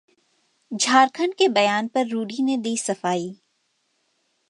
झारखंड के बयान पर रूडी ने दी सफाई